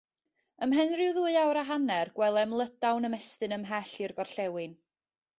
Ymhen rhyw ddwy awr a hanner gwelem Lydaw'n ymestyn ymhell i'r gorllewin.